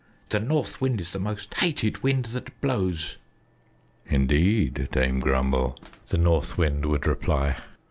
The North Wind is the most hated wind that blows!" "Indeed, Dame Grumble!" the North Wind would reply.